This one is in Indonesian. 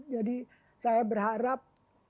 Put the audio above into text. jadi saya berharap